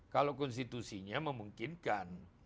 kalau konstitusinya memungkinkan